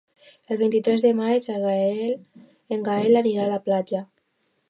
El vint-i-tres de maig en Gaël anirà a la platja.